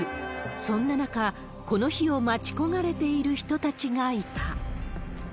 そんな中、この日を待ち焦がれている人たちがいた。